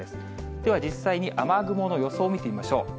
では実際に雨雲の予想を見てみましょう。